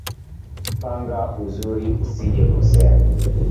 Panga uzuri usijekosea.